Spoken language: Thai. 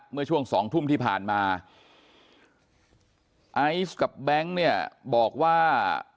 เมื่อช่วงสองทุ่มที่ผ่านมาไอซ์กับแบงค์เนี่ยบอกว่า